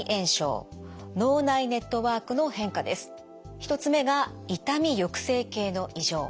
１つ目が痛み抑制系の異常。